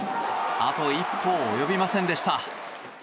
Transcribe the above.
あと一歩及びませんでした。